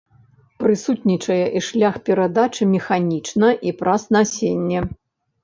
Прысутнічае і шлях перадачы механічна і праз насенне.